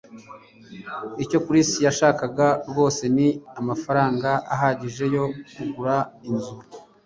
Icyo Chris yashakaga rwose ni amafaranga ahagije yo kugura inzu